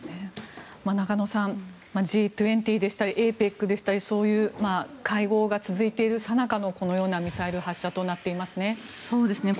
中野さん、Ｇ２０でしたりＡＰＥＣでしたりそういう会合が続いているさなかのこのようなミサイル発射となっていますね。